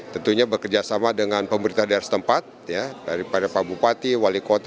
tentunya bekerjasama dengan pemerintah daerah setempat daripada pak bupati wali kota